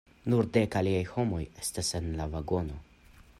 Nur dek aliaj homoj estas en la vagono.